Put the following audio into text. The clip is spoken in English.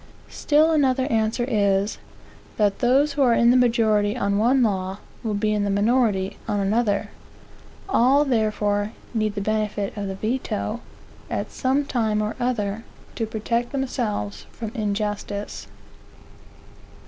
Still another answer is, that those who are in the majority on one law, will be in the minority on another. All, therefore, need the benefit of the veto, at some time or other, to protect themselves from injustice.